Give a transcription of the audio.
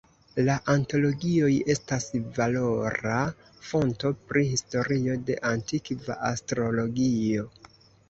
La antologioj estas valora fonto pri historio de antikva astrologio.